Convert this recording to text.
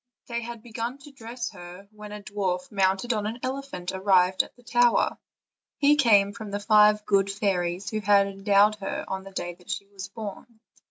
They had begun to dress her, when a dwarf mounted on an elephant arrived at the tower; he came from the five good fairies who had endowed her the day she was born.